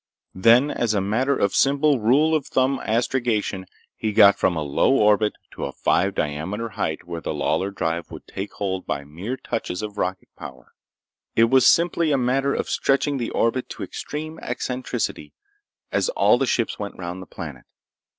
Then as a matter of simple, rule of thumb astrogation, he got from a low orbit to a five diameter height where the Lawlor drive would take hold by mere touches of rocket power. It was simply a matter of stretching the orbit to extreme eccentricity as all the ships went round the planet.